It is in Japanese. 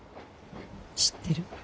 知ってる。